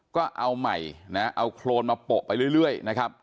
ก็เอาใหม่นะเอาโครนมาโปะไปเรื่อยนะครับ